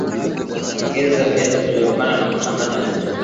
Ongeza viazi vilivyopondwa na changanya vizuri